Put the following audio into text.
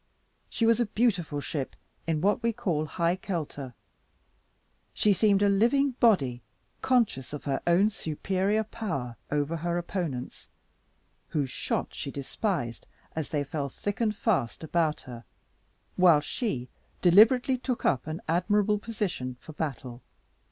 She was a beautiful ship, in what we call "high kelter;" she seemed a living body, conscious of her own superior power over her opponents, whose shot she despised, as they fell thick and fast about her, while she deliberately took up an admirable position for battle.